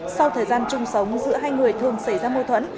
sau thời gian chung sống giữa hai người thường xảy ra mô thuẫn